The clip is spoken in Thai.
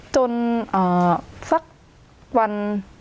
จนสักวัน